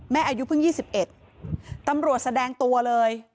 อายุเพิ่ง๒๑ตำรวจแสดงตัวเลย